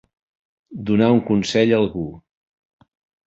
Donar un consell a algú.